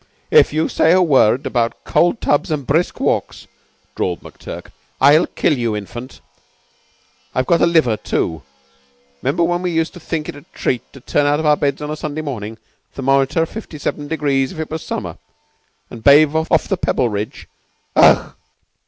"If you say a word about cold tubs and brisk walks," drawled McTurk, "I'll kill you, Infant. I've got a liver, too. 'Member when we used to think it a treat to turn out of our beds on a Sunday morning thermometer fifty seven degrees if it was summer and bathe off the Pebbleridge? Ugh!"